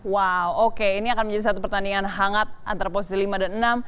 wow oke ini akan menjadi satu pertandingan hangat antara posisi lima dan enam